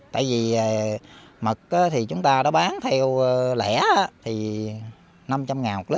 tại vì mật thì chúng ta đã bán theo lẻ thì năm trăm linh ngàn một lít